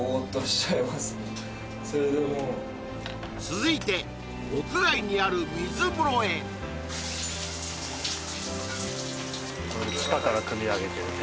続いて屋外にある水風呂へこれ地下からくみ上げてる